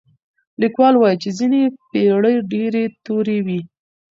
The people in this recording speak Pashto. ليکوال وايي چي ځينې پېړۍ ډېرې تورې وې.